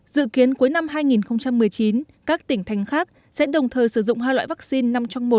dự kiến cuối năm hai nghìn một mươi chín các tỉnh thành khác sẽ đồng thời sử dụng hai loại vaccine năm trong một